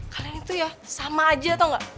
kalian itu ya sama aja tau gak